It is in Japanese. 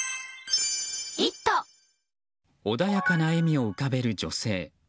穏やかな笑みを浮かべる女性。